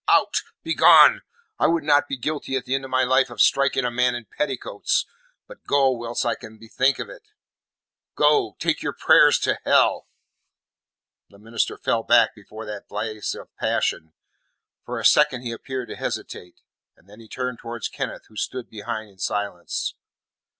"Out! Begone! I would not be guilty at the end of my life of striking a man in petticoats. But go whilst I can bethink me of it! Go take your prayers to hell." The minister fell back before that blaze of passion. For a second he appeared to hesitate, then he turned towards Kenneth, who stood behind in silence.